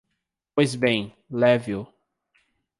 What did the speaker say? Pois bem, leve-o.